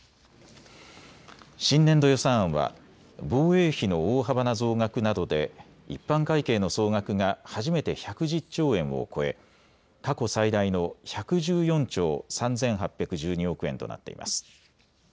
新年度予算案は防衛費の大幅な増額などで一般会計の総額が初めて１１０兆円を超え過去最大の１１４兆３８１２億円となっています。